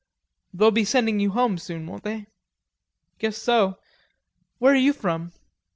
"They'll be sending you home soon, won't they?" "Guess so.... Where are you from?"